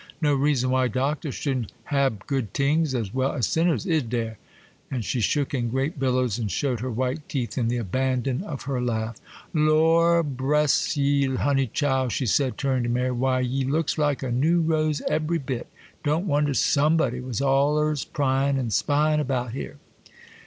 'No reason why Doctors shouldn't hab good tings as well as sinners, is dere?'—and she shook in great billows, and showed her white teeth in the abandon of her laugh. 'Lor' bress ye, honey, chile!' she said, turning to Mary, 'why, ye looks like a new rose, ebery bit! Don't wonder somebody was allers pryin' an' spyin' about here!